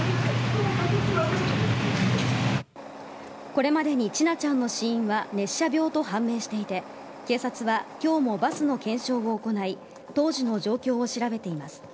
これまでに千奈ちゃんの死因は熱射病と判明していて警察は今日もバスの検証を行い当時の状況を調べています。